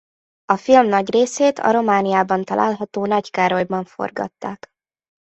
A film nagy részét a Romániában található Nagykárolyban forgatták.